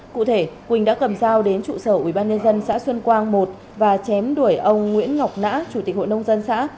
cụ thể quỳnh đã cầm dao đến trụ sở ubnd xã xuân quang một và chém đuổi ông nguyễn ngọc nã chủ tịch hội nông dân xã